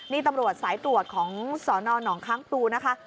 นี่ตำรวจสายตรวจของสนหนองค้างปูนะคะ